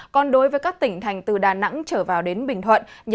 còn đối với các tỉnh thành từ đà nẵng trở vào đến bình thuận